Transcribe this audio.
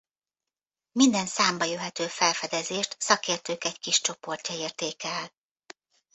Minden számba jöhető felfedezést szakértők egy kis csoportja értékel.